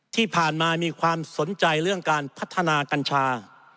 ที่ผ่านมามีความสนใจเรื่องการพัฒนากัญชา